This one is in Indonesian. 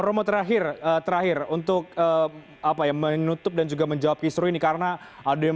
romo terakhir terakhir untuk apa ya menutup dan juga menjawab kisru ini karena ada yang